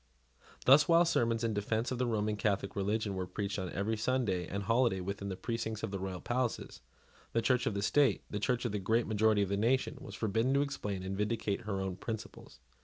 Thus, while sermons in defence of the Roman Catholic religion were preached on every Sunday and holiday within the precincts of the royal palaces, the Church of the state, the Church of the great majority of the nation, was forbidden to explain and vindicate her own principles.